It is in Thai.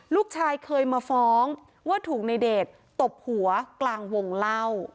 ลูกชายเคยมาฟ้องว่าถูกในเดชตตบหัวกลางวงเล่า